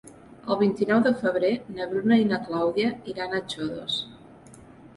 El vint-i-nou de febrer na Bruna i na Clàudia iran a Xodos.